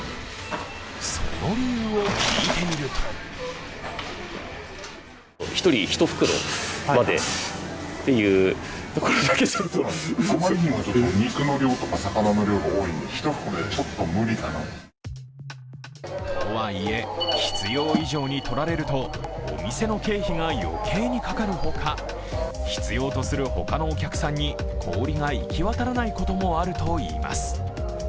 その理由を聞いてみるととはいえ、必要以上に取られると、お店の経費が余計にかかるほか必要とする他のお客さんに氷が行き渡らないこともあるといいます。